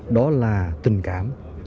đó là tình cảm